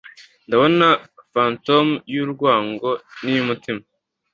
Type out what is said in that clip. Ndabona Phantoms yurwango niyumutima